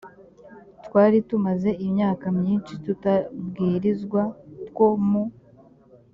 twari tumaze imyaka myinshi tutabwirizwa two mu